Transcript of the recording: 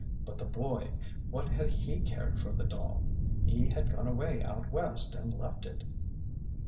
But the boy, what had he cared for the doll? He had gone away out West and left it.